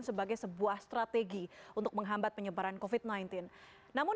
selamat malam bapak ibu